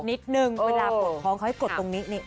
นิดนึงเวลาปวดท้องเขาให้กดตรงนี้